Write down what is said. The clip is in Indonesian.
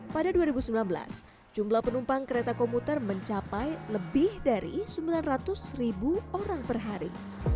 pada dua ribu sembilan belas jumlah penumpang kereta komuter mencapai lebih dari sembilan ratus ribu orang per hari